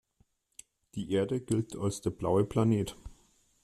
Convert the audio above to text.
Die Erde gilt als der „blaue Planet“.